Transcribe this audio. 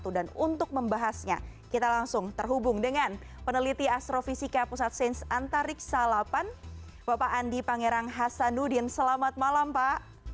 dan untuk membahasnya kita langsung terhubung dengan peneliti astrofisika pusat sains antariksa delapan bapak andi pangerang hasanudin selamat malam pak